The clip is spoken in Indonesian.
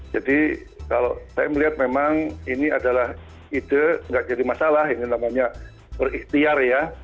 jadi kalau saya melihat memang ini adalah ide tidak jadi masalah ini namanya berikhtiar ya